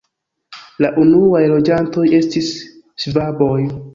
La unuaj loĝantoj estis ŝvaboj.